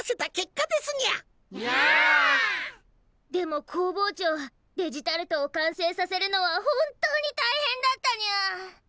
でも工房長デジタルトを完成させるのは本当に大変だったにゃっ！